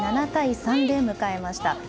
７対３で迎えました。